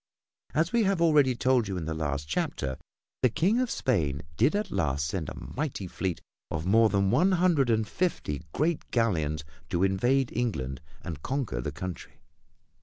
As we have already told you in the last chapter, the King of Spain did at last send a mighty fleet of more than one hundred and fifty great galleons to invade England and conquer the country.